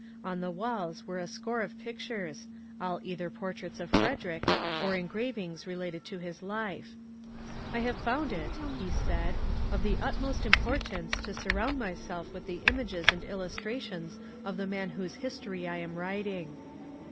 On the walls were a score of pictures, all either portraits of Frederick or engravings re lated to his life. ^^ I have found it," he said, ^* of the utmost 396 MONCXJRE DANIEL CONWAY importance to surround myself with the images and illustra tions of the man whose history I am writing."